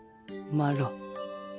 マロ？